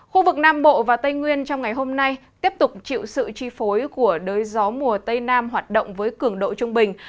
khu vực nam bộ và tây nguyên trong ngày hôm nay tiếp tục chịu sự chi phối của đới gió mùa tây nam hoạt động với cường độ trung bình